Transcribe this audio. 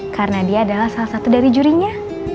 karena dia adalah salah satu dari jurinya